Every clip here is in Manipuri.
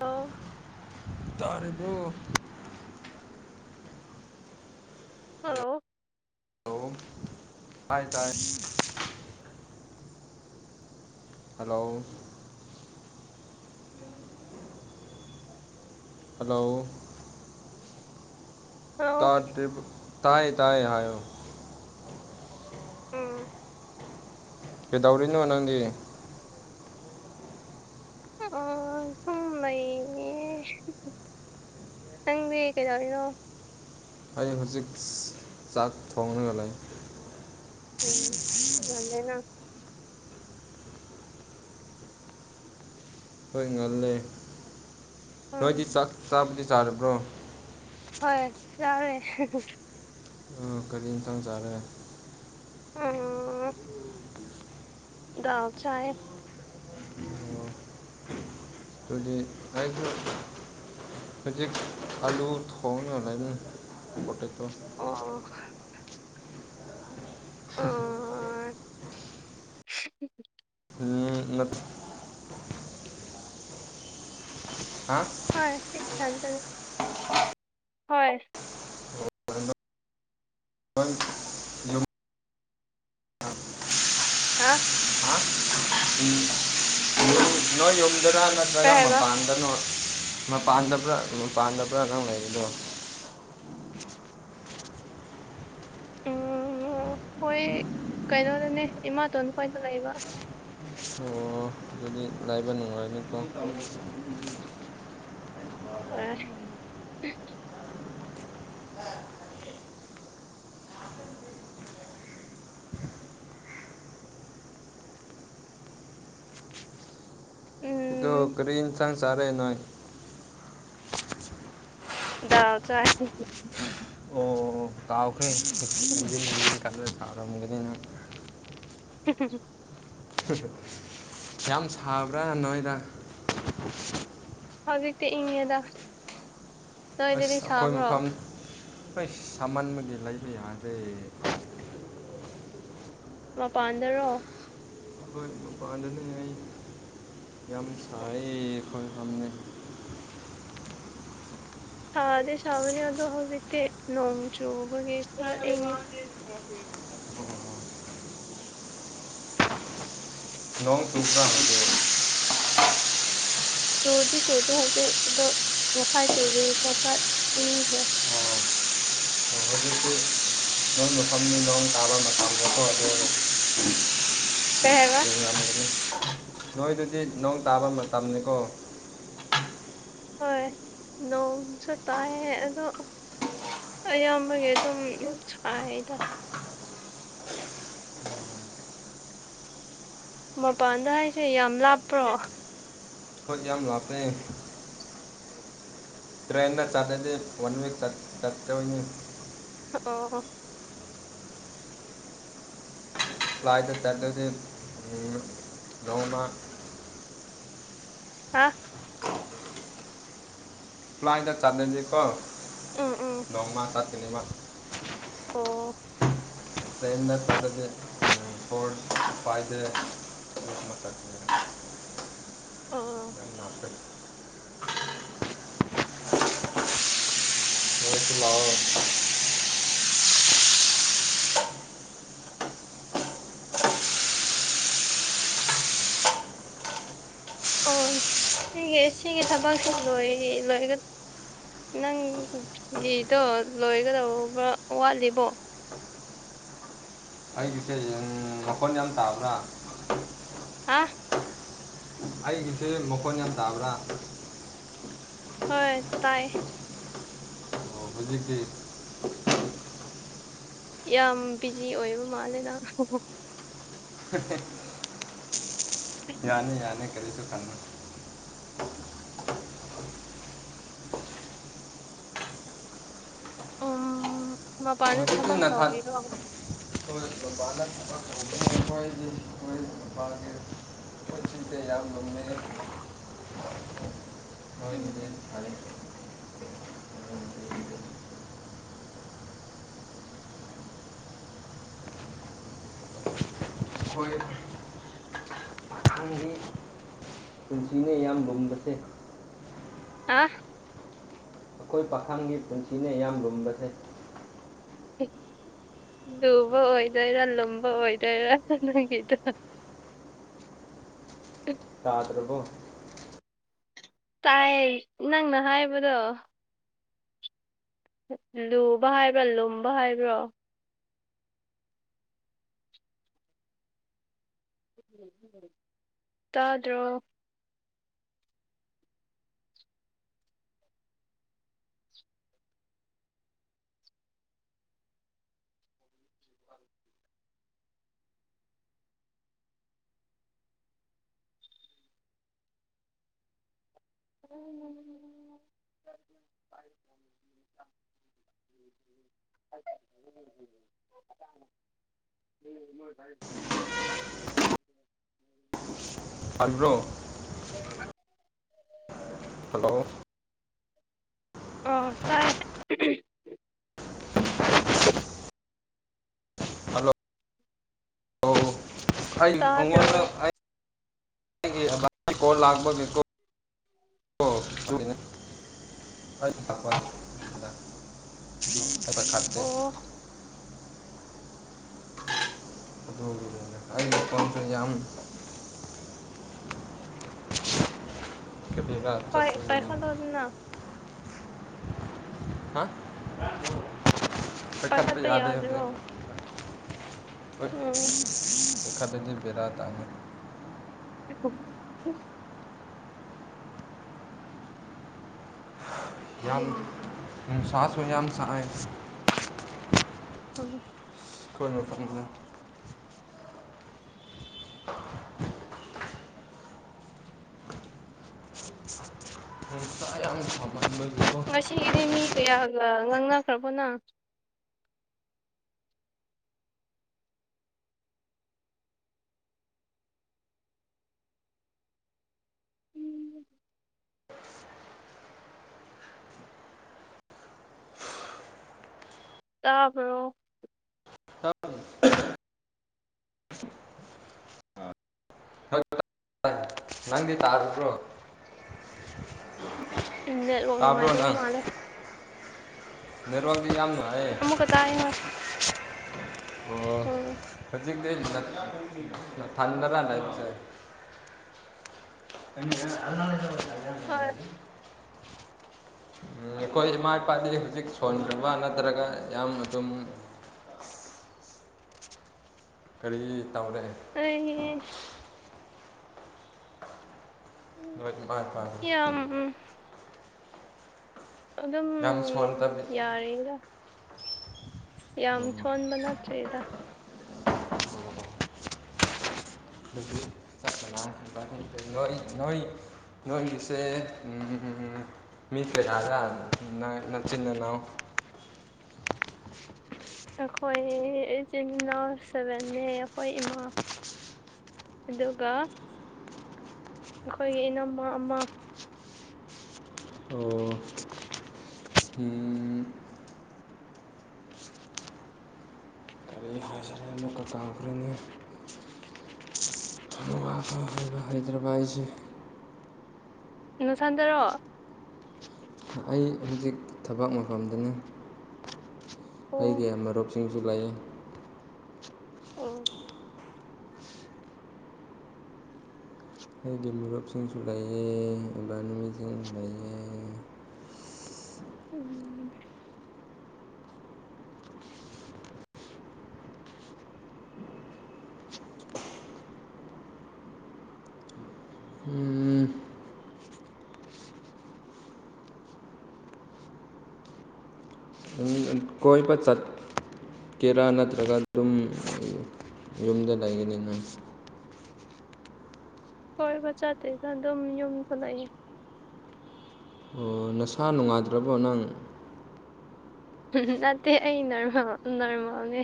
ꯑꯣ ꯇꯥꯔꯤꯕꯣ ꯍꯜꯂꯣ ꯍꯜꯂꯣ ꯇꯥꯏ ꯇꯥꯏ ꯍꯥꯂꯣ ꯍꯜꯂꯣ ꯍꯜꯂꯣ ꯇꯥꯗ꯭ꯔꯤꯕ ꯇꯥꯏꯌꯦ ꯇꯥꯏꯌꯦ ꯍꯥꯏꯌꯣ ꯎꯝ ꯀꯩꯗꯧꯔꯤꯅꯣ ꯅꯪꯗꯤ ꯑ ꯁꯨꯝ ꯃꯩꯏꯅꯦ ꯅꯪꯗꯤ ꯀꯩꯗꯧꯔꯤꯅꯣ ꯑꯩ ꯍꯧꯖꯤꯛ ꯆꯥꯛ ꯊꯣꯡꯉꯒ ꯂꯩ ꯎꯝ ꯅꯪꯅꯦ ꯅꯪ ꯍꯣꯏ ꯉꯜꯂꯦ ꯅꯣꯏꯗꯤꯥ ꯎꯝ ꯆꯥꯛ ꯆꯥꯕꯨꯗꯤ ꯆꯥꯔꯕ꯭ꯔꯣ ꯍꯣꯏ ꯆꯥꯔꯦ ꯑ ꯀꯔꯤ ꯏꯟꯁꯥꯡ ꯆꯥꯔꯦ ꯎꯝ ꯗꯥꯜ ꯆꯥꯏꯌꯦ ꯗꯨꯗꯤ ꯑꯩꯈꯣꯏ ꯍꯧꯖꯤꯛ ꯑꯂꯨ ꯊꯣꯡꯉꯒ ꯂꯩꯕꯅꯤ ꯄꯣꯇꯦꯇꯣ ꯑꯣ [unintelligible] ꯑ [unintelligible] [inaudible] ꯍꯥ ꯍꯣꯏ ꯁꯤ ꯏꯊꯟꯇꯅꯤ ꯍꯣꯏ ꯂꯧꯁꯤꯟꯕ ꯉꯝꯗꯕ ꯍꯥꯥ ꯍꯥ ꯎꯝ ꯅꯣꯏ ꯅꯣꯏ ꯌꯨꯝꯗꯔ ꯀꯩ ꯅꯠꯇ꯭ꯔꯒ ꯍꯥꯏꯕ ꯃꯄꯥꯟꯗꯅꯣ ꯃꯄꯥꯟꯗꯕ꯭ꯔꯥ ꯃꯄꯥꯟꯗꯕ꯭ꯔꯥ ꯅꯪ ꯂꯩꯔꯤꯗꯣ ꯎꯝ ꯍꯣꯏ ꯀꯩꯅꯣꯗꯅꯦ ꯏꯃꯥꯇꯣꯟ ꯈꯣꯏꯗ ꯂꯩꯕ ꯑꯣ ꯑꯗꯨꯗꯤ ꯂꯥꯏꯕ ꯅꯨꯡꯉꯥꯏꯅꯤꯀꯣ ꯑ ꯎꯝ ꯑꯗꯣ ꯀꯔꯤ ꯏꯟꯁꯥꯡ ꯆꯥꯔꯦ ꯅꯣꯏ ꯗꯥꯎ ꯆꯥ ꯗꯦ ꯑꯣ ꯀꯥꯎꯈ꯭ꯔꯦ ꯍꯟꯖꯤꯟ ꯍꯟꯖꯤꯟ ꯀꯥꯎꯔꯝꯒꯅꯤ ꯅꯪ ꯍꯨꯝ ꯍꯨꯝ ꯍꯨꯝ ꯍꯥ ꯍꯥ ꯌꯥꯝ ꯁꯥꯕ꯭ꯔꯥ ꯅꯣꯏꯗ ꯍꯧꯖꯤꯛꯇꯤ ꯏꯪꯉꯦꯗ ꯅꯣꯏꯗꯗꯤ ꯁꯥꯕ꯭ꯔꯣ ꯑꯩꯩꯈꯣꯏ ꯁꯥꯃꯟꯕꯒꯤ ꯂꯩꯕ ꯌꯥꯗ꯭ꯔꯦ ꯃꯄꯥꯟꯗꯔꯣ ꯑꯩꯈꯣꯏ ꯃꯄꯥꯟꯗꯅꯦ ꯑꯩ ꯌꯥꯝ ꯁꯥꯏꯌꯦ ꯑꯩꯈꯣꯏ ꯐꯝꯃꯦ ꯁꯥꯗꯤ ꯁꯥꯕꯅꯤ ꯑꯗꯣ ꯍꯧꯖꯤꯛꯇꯤ ꯅꯣꯡꯆꯨꯕꯒꯤ ꯈꯔ ꯏꯪꯉꯤ ꯅꯣꯡ ꯆꯨꯕ꯭ꯔꯥ ꯍꯧꯖꯤꯛ ꯆꯨꯗꯤ ꯆꯨꯗꯦ ꯍꯧꯖꯤꯛ ꯑꯗꯣ ꯉꯁꯥꯏ ꯆꯨꯕꯩ ꯈꯥ ꯏꯪꯈ꯭ꯔꯦ ꯂꯧꯁꯤꯟꯕ ꯉꯝꯗꯕ ꯅꯣꯏ ꯃꯐꯝꯗꯤ ꯅꯣꯡ ꯇꯥꯕ ꯃꯇꯝꯗꯀꯣ ꯑꯗꯨ ꯀꯩ ꯍꯥꯏꯕ ꯏꯪꯂꯝꯒꯅꯤ ꯅꯣꯏꯗꯨꯗꯤ ꯅꯣꯡ ꯇꯥꯕ ꯃꯇꯝꯅꯤꯀꯣ ꯍꯣꯏ ꯅꯣꯡꯁꯨ ꯇꯥꯏꯌꯦ ꯑꯗꯣ ꯑꯌꯥꯝꯕꯒꯤ ꯑꯗꯨꯝ ꯁꯥꯏꯗ ꯃꯄꯥꯟꯗ ꯍꯥꯏꯁꯦ ꯌꯥꯝ ꯂꯥꯞꯄ꯭ꯔꯣ ꯈꯨꯠ ꯌꯥꯝ ꯂꯥꯞꯄꯦ ꯇ꯭ꯔꯦꯟꯅ ꯆꯠꯂꯗꯤ ꯋꯥꯟ ꯆꯤꯛ ꯆꯠ ꯆꯠꯇꯣꯏꯅꯤ ꯍ ꯑꯣ ꯍꯣ ꯐ꯭ꯂꯥꯏꯠꯗ ꯆꯠꯂꯗꯤ ꯎꯝ ꯅꯣꯡꯃꯥ ꯍꯥꯥ ꯐ꯭ꯂꯥꯏꯠꯗ ꯆꯠꯅꯗꯤ ꯀꯣ ꯎꯝ ꯎꯝ ꯅꯣꯡꯃꯥ ꯆꯠꯀꯅꯤꯕ ꯑꯣ ꯇ꯭ꯔꯦꯟꯅ ꯆꯠꯂꯗꯤ ꯎꯝ ꯐꯣꯔ ꯇꯨ ꯐꯥꯏꯕ ꯗꯦꯁ ꯆꯠꯀꯅꯤ ꯑꯥ ꯌꯥꯝ ꯂꯥꯞꯄꯦ ꯅꯣꯏ ꯁꯤ ꯂꯥꯛꯑꯣ ꯑꯣ ꯁꯤꯒꯤ ꯁꯤꯒꯤ ꯊꯕꯛꯁꯦ ꯂꯣꯏ ꯂꯣꯏꯒ ꯅꯪ ꯒꯤꯗꯣ ꯂꯣꯏꯒꯗꯧꯕ ꯋꯥꯠꯂꯤꯕꯣ ꯑꯩꯒꯤꯁꯦ ꯌꯪ ꯃꯈꯣꯟ ꯌꯥꯝ ꯇꯥꯕ꯭ꯔꯥ ꯍꯥꯥ ꯑꯩꯒꯤꯁꯦ ꯃꯈꯣꯟ ꯌꯥꯝ ꯇꯥꯕ꯭ꯔꯥ ꯍꯣꯏ ꯇꯥꯏ ꯑꯣ ꯍꯧꯖꯤꯛꯇꯤ ꯌꯥꯝ ꯕꯤꯖꯤ ꯑꯣꯏꯕ ꯃꯥꯜꯂꯦ ꯅꯪ [unintelligible] [unintelligible] ꯌꯥꯅꯤ ꯌꯥꯅꯤ ꯀꯔꯤꯁꯨ ꯈꯪꯉꯣꯏ ꯎꯝ ꯃꯄꯥꯟꯗ ꯍꯧꯖꯤꯛꯇꯤ ꯊꯕꯛ ꯅꯊꯟ ꯇꯧꯔꯤꯔꯣ [unintelligible] [inaudible] ꯇꯥꯕ ꯉꯝꯗꯕ ꯍꯣꯏ ꯑꯗꯨꯗꯤ ꯐꯔꯦ ꯍꯣꯏ ꯃꯊꯪꯒꯤ ꯄꯨꯟꯁꯤꯅꯦ ꯌꯥꯝ ꯂꯨꯝꯕꯁꯦ ꯑꯥ ꯑꯈꯣꯏ ꯄꯥꯈꯪꯒꯤ ꯄꯨꯟꯁꯤꯅꯦ ꯌꯥꯝ ꯂꯨꯝꯕꯁꯦ ꯂꯨꯕ ꯑꯣꯏꯗꯣꯏꯔꯥ ꯂꯨꯝꯕ ꯑꯣꯏꯗꯣꯏꯔꯥ ꯅꯪꯒꯤꯗꯣ [inaudible] ꯇꯥꯗ꯭ꯔꯕꯣ ꯇꯥꯏ ꯅꯪꯅ ꯍꯥꯏꯕꯗꯣ ꯂꯨꯕ ꯍꯥꯏꯕ꯭ꯔꯥ ꯂꯨꯝꯕ ꯍꯥꯏꯕ꯭ꯔꯣ ꯇꯥꯗ꯭ꯔꯣ ꯂꯧꯁꯤꯟꯕ ꯉꯝꯗꯕ [unintelligible] ꯑꯟꯕ꯭ꯔꯣ ꯍꯜꯂꯣ ꯑꯣ ꯇꯥꯏ ꯍꯥꯂꯣ ꯂꯣ ꯑꯩ ꯇꯥꯗ꯭ꯔꯣ ꯃꯉꯣꯟꯗ ꯑꯩ ꯀꯣ ꯂꯥꯛꯕ [unintelligible] ꯑꯣ ꯈꯥꯗꯦ [inaudible] ꯀꯕꯤꯒ ꯍꯣꯏ ꯆꯅꯤ ꯄꯥꯏꯈꯠꯂꯣꯗꯅ [unintelligible] ꯈꯠꯄ ꯄꯥꯏꯈꯠꯄ ꯌꯥꯗꯦ ꯍꯧꯗꯦ ꯌꯥꯗ꯭ꯔꯣ ꯎꯝ ꯈꯗꯗꯤꯕꯔꯥ ꯇ ꯍꯣ ꯌꯥꯝ ꯏꯁꯥꯁ ꯑꯣꯏ ꯌꯥꯝ ꯑꯃꯁ ꯁꯥ ꯎꯝ ꯊꯅ ꯐꯔꯤꯅꯤ ꯍꯁ ꯌꯥꯝ ꯐꯕꯀꯣ ꯑꯗꯤ ꯃꯤ ꯀꯌꯥꯒ ꯉꯥꯡꯅꯈ꯭ꯔꯕꯣꯅ ꯇꯥꯕ꯭ꯔꯣ ꯅꯟꯗꯤ ꯇꯥꯔ ꯄꯨ꯭ꯔꯣ ꯎꯨꯝ ꯅꯦꯠꯋꯥꯔꯛ ꯅꯨꯉꯥꯏꯇꯕ ꯃꯥꯜꯂꯦ ꯅꯔꯋꯥꯜ ꯌꯥꯝꯝꯅ ꯍꯥꯏꯌꯦ ꯑꯃꯨꯛꯀ ꯇꯥꯏ ꯍꯣꯏ ꯑꯣ ꯎꯝ [inaudible] ꯊꯟꯗꯔ ꯂꯥꯏꯕ ꯑ ꯑꯣꯅ ꯍꯣꯏ ꯑꯩꯈꯣꯏ ꯏꯃꯥ ꯏꯄꯥꯗꯤ ꯍꯧꯖꯤꯛ ꯁꯣꯟꯗꯕ ꯅꯠꯇ꯭ꯔꯒ ꯌꯥꯝ ꯑꯗꯨꯝ ꯀꯔꯤ ꯇꯧꯔꯦ ꯑꯩ ꯃꯥꯥꯏ ꯇꯦ ꯎꯝ ꯎꯝ ꯑꯗꯨꯝ ꯌꯥꯝ ꯁꯣꯟꯗꯕꯤ ꯌꯥꯔꯤꯔꯥ ꯌꯥꯝ ꯑꯣ ꯁꯣꯟꯕ ꯅꯠꯇ꯭ꯔꯦꯗ ꯑꯗꯨ ꯆꯠꯄꯔ ꯅꯣꯏ ꯅꯣꯏ ꯅꯣꯏꯒꯤꯁꯦ ꯎꯝꯝ ꯎꯝ ꯃꯤꯇꯔꯥꯗ ꯅ ꯅ ꯆꯤꯟꯅꯅꯅꯥꯎ ꯑꯩꯈꯣꯏ ꯏꯆꯤꯟ ꯏꯅꯥꯎ ꯁꯚꯦꯟꯅꯦ ꯑꯩꯈꯣꯏ ꯏꯃꯥ ꯑꯗꯨꯒ ꯑꯩꯈꯣꯏꯒꯤ ꯏꯅꯝꯃ ꯑꯃ ꯑꯣ ꯎꯝ ꯀꯔꯤ ꯍꯥꯏꯖꯔꯦ ꯑꯃꯨꯛꯀ ꯀꯥꯎꯈ꯭ꯔꯦꯅꯦ ꯑꯃꯨꯛꯀ ꯀꯥꯎꯈ꯭ꯔꯒ ꯔꯖ ꯅꯨꯡꯁꯥꯟꯗꯔꯣ ꯑꯩ ꯍꯧꯖꯤꯛ ꯊꯕꯛ ꯃꯐꯝꯗꯅꯤ ꯍꯩꯒꯤ ꯑꯣ ꯃꯔꯨꯞꯁꯤꯡꯁꯨ ꯂꯩꯥꯛꯑ ꯑꯣ ꯑꯩꯒꯤ ꯃꯨꯔꯨꯞꯁꯤꯡꯁꯨ ꯂꯩꯌꯦ ꯏꯃꯥꯅꯕꯤꯁꯤꯡꯁꯨ ꯂꯩꯌꯦ ꯎꯨꯝ ꯎꯝ ꯀꯣꯏꯕ ꯆꯠꯀꯦꯔꯥ ꯅꯠꯇ꯭ꯔꯒ ꯑꯗꯨꯝ ꯌꯨꯝꯗ ꯂꯩꯒꯅꯤꯅꯦ ꯀꯣꯏꯕ ꯆꯠꯇꯦꯗ ꯑꯗꯨꯝ ꯌꯨꯝ ꯊꯣꯛꯂꯛꯏ ꯑꯣ ꯅꯁꯥ ꯅꯨꯡꯉꯥꯗ꯭ꯔꯕꯣ ꯅꯪ ꯅꯠꯇꯦ ꯑꯩ ꯅꯃ ꯅꯔꯃꯅꯦ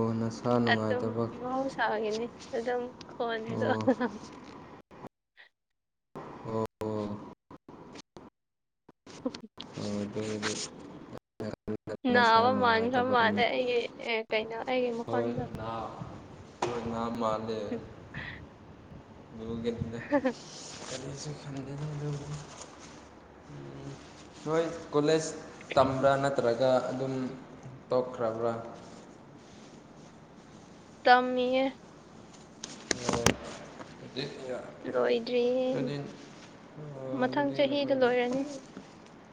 ꯕꯣꯅꯁ ꯑꯗꯨꯝ ꯃꯍꯧꯁꯥꯒꯤꯅꯤ ꯑꯗꯨꯝ ꯈꯣꯟꯗꯣ ꯑꯣ ꯑꯣ ꯑꯣ ꯎ ꯑꯣ ꯑꯗꯨ ꯑꯗꯨ ꯅꯥꯕ ꯃꯥꯟꯈ꯭ꯔ ꯃꯥꯜꯂꯦ ꯑꯩꯒꯤ ꯀꯩꯅꯣ ꯑꯩꯒꯤ ꯃꯈꯣꯟꯗꯣ ꯃꯥꯗ ꯍ [unintelligible] ꯑꯗꯨꯒꯤ ꯍ-ꯍ ꯀꯁꯨ ꯈꯟꯗꯅ ꯂ ꯅꯣꯏ ꯀꯣꯂꯦꯖ ꯇꯝꯕ꯭ꯔꯥ ꯅꯠꯇ꯭ꯔꯒ ꯑꯗꯨꯝ ꯇꯣꯛꯈ꯭ꯔꯕ꯭ꯔꯥ ꯇꯝꯃꯦ ꯑꯣ [inaudible] ꯂꯣꯏꯗ꯭ꯔꯤꯌꯦ ꯑꯣ ꯃꯊꯪ ꯑꯗꯨꯗꯤ ꯆꯍꯤꯗ ꯅꯈꯣꯏꯗꯤ ꯂꯣꯏꯔꯅꯤ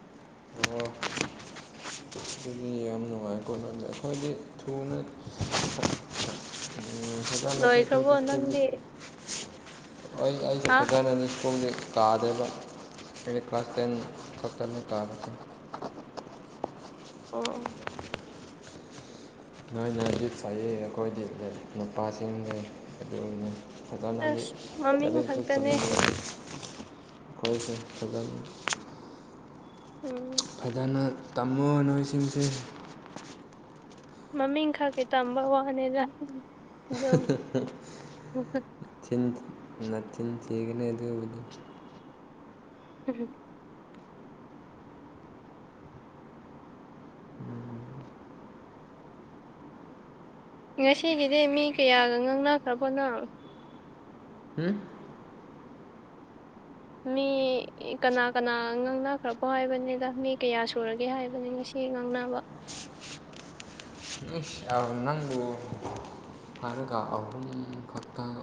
[inaudible] ꯑꯗꯨꯗꯤ ꯌꯥꯝ ꯅꯨꯡꯉꯥꯏꯀꯣꯗ ꯑꯩꯈꯣꯏꯗꯤ ꯊꯨꯅ [inaudible] ꯎ ꯁꯖꯅꯠꯇꯀ ꯂꯣꯏꯈ꯭ꯔꯕꯣ ꯅꯪꯗꯤ ꯑꯩ ꯑꯩꯁꯨ ꯍꯥ ꯐꯖꯅꯗꯤ ꯏꯁ꯭ꯀꯣꯜꯁ ꯇꯥꯗ꯭ꯔꯦꯕ ꯑꯩꯅ ꯀ꯭ꯂꯥꯁ ꯇꯦꯟ ꯐ ꯇꯦꯜ ꯇꯥꯕꯁ ꯑꯣ ꯑꯣ ꯅꯣꯏꯅ ꯉꯟꯅ ꯆꯥꯏꯌꯦ ꯑꯩꯈꯣꯏꯗꯤ ꯅꯨꯄꯥꯁꯤꯡ ꯂꯩ ꯑꯗꯨꯒꯤꯅꯦ ꯑꯁ ꯃꯃꯤꯡ ꯐꯖꯣꯏꯁ ꯈꯛꯇꯅꯦ ꯐꯖ ꯎꯝ ꯐꯖꯅ ꯇꯝꯃꯨ ꯅꯣꯏꯁꯤꯡꯁꯦ ꯃꯃꯤꯡ ꯈꯛ ꯀꯩ ꯇꯝꯕ ꯋꯥꯅꯤꯗ ꯑꯗꯨꯝ ꯆꯤꯟ ꯅꯆꯤꯟ ꯊꯤꯒꯅꯤ ꯑꯗꯨꯕꯨꯗꯤ ꯍꯨꯝ ꯍꯨꯝ ꯉꯁꯤꯒꯤꯗꯤ ꯃꯤ ꯀꯌꯥꯒ ꯉꯥꯡꯅꯈ꯭ꯔ ꯍꯣꯠꯅꯔꯅꯣ ꯍꯝ ꯃꯤ ꯀꯅꯥ ꯀꯅꯥ ꯉꯥꯡꯅꯈ꯭ꯔꯕꯣ ꯍꯥꯏꯕꯅꯤꯗ ꯃꯤ ꯀꯌꯥ ꯁꯨꯔꯒꯦ ꯍꯥꯏꯕꯅꯤ ꯉꯁꯤ ꯉꯥꯡꯅꯕ ꯑꯁ ꯌꯥꯝ ꯅꯪꯕꯨ ꯍꯥꯏꯔꯒ ꯑꯍꯨꯝ ꯈꯛꯇꯪ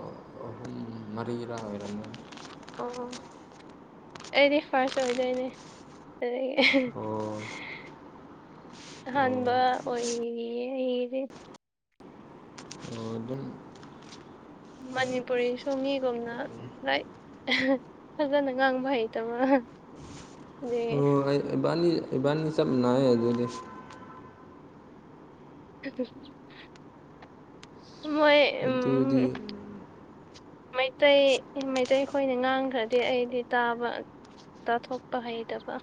ꯑꯍꯨꯝ ꯃꯔꯤꯔꯥ ꯑꯣꯏꯔꯝꯃꯤ ꯑꯣ ꯑꯩꯗꯤ ꯐꯥꯔꯁ ꯑꯣꯏꯗꯣꯏꯅꯦ ꯑꯗꯒꯤ ꯑꯣ ꯑꯣ ꯑꯍꯥꯟꯕ ꯑꯣꯏꯌꯦ ꯑꯩꯁꯦ ꯃ ꯑꯗꯨꯨꯝ ꯃꯅꯤꯄꯨꯔꯤꯁꯨꯣ ꯃꯤꯒꯨꯝꯅ ꯂꯥꯏ ꯐꯖꯅ ꯉꯥꯡꯕ ꯍꯩꯇꯕꯔ ꯑꯗꯨꯒꯤ ꯑꯣ ꯏꯕꯥꯅꯤ ꯏꯕꯥꯅꯤ ꯆꯞ ꯃꯥꯟꯅꯩꯌꯦ ꯑꯗꯨꯗꯤ ꯃꯣꯏ ꯑꯗꯨꯗꯤ ꯎꯝ ꯃꯩꯇꯩ ꯃꯩꯇꯩꯈꯣꯏꯅ ꯉꯥꯡꯈ꯭ꯔꯗꯤ ꯑꯩꯗꯤ ꯇꯥꯕ ꯇꯥꯊꯣꯛꯄ ꯍꯩꯇꯕ